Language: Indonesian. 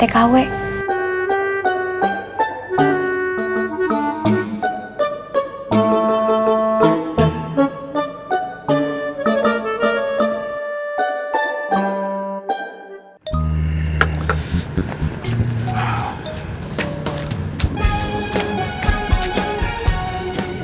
terima kasih tkw